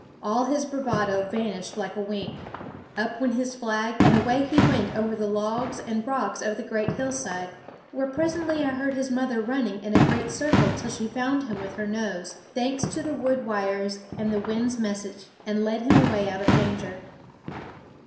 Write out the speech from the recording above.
All his bravado vanished like a wink. Up went his flag, and away he went over the logs and rocks of JJ the great hillside ; where presently I heard j?^ his mother running in a great circle till Cryinihe Cry L JVight* SCHOOL OF she found him with her nose, thanks to the wood wires and the wind's message, and led him away out of danger.